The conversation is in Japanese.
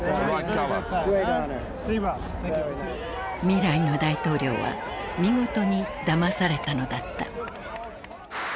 未来の大統領は見事にだまされたのだった。